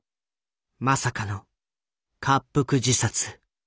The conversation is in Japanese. まさかの割腹自殺。